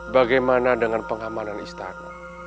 bagaimana dengan pengamanan istana